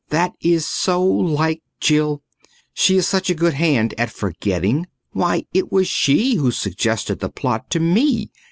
That is so like Jill. She is such a good hand at forgetting. Why, it was she who suggested the plot to me.